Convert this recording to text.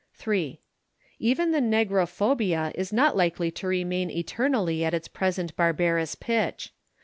III Even the negrophobia is not likely to remain eternally at its present barbarous pitch.